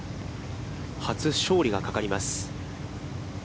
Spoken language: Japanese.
初勝利がかかります。